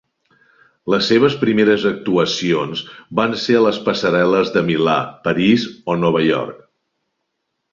Les seves primeres actuacions van ser a les passarel·les de Milà, París o Nova York.